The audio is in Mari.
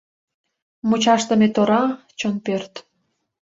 Мучашдыме тора — чон пӧрт.